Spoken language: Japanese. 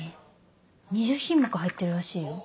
２０品目入ってるらしいよ。